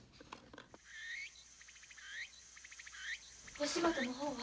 お仕事の方は？